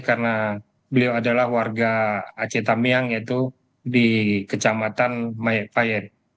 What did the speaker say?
karena beliau adalah warga aceh tamiang yaitu di kecamatan mayak payet